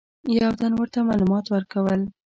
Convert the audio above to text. یو تن ورته معلومات ورکول.